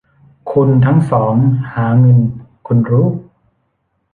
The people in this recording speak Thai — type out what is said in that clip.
คุณทั้งสองหาเงิน คุณรู้